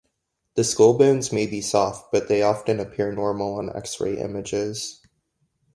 The skull bones may be soft, but they often appear normal on X-ray images.